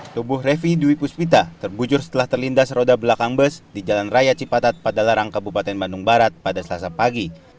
tubuh revi dwi puspita terbujur setelah terlindas roda belakang bus di jalan raya cipatat padalarang kabupaten bandung barat pada selasa pagi